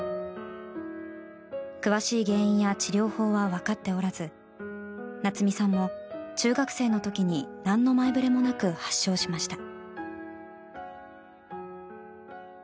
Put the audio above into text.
詳しい原因や治療法は分かっておらず夏実さんも中学生の時に何の前触れもなく発症しました。